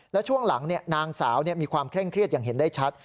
และช่วงหลังนางสาวมีความเคร่งเครียดอย่างเห็นได้ชัด